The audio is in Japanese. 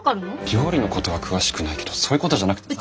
料理のことは詳しくないけどそういうことじゃなくて。